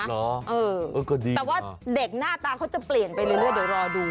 แต่ว่าเด็กหน้าตาเขาจะเปลี่ยนไปเรื่อยเดี๋ยวรอดู